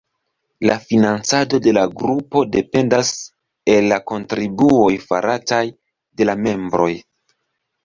La financado de la grupo dependas el la kontribuoj farataj de la membroj.